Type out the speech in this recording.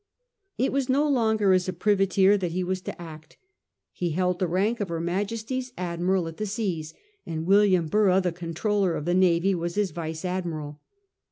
It was no longer as a privateer that he was to act. He held the rank of Her Majest y's Admiral at j and William Borough, the Comptroller of the Navy, was his vice admiral.